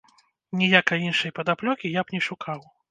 Ніякай іншай падаплёкі я б не шукаў.